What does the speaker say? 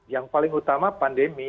yang paling utama pandemi